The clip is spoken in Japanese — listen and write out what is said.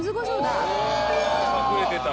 隠れてた。